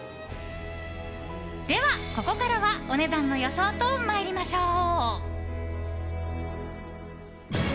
では、ここからはお値段の予想と参りましょう。